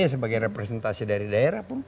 sebagai representasi dari daerah